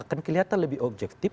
akan kelihatan lebih objektif